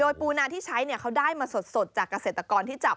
โดยปูนาที่ใช้เขาได้มาสดจากเกษตรกรที่จับ